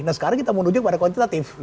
nah sekarang kita menuju kepada kuantitatif